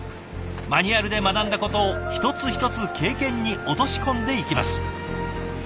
マニュアルで学んだことを一つ一つ経験に落とし込んでいきます。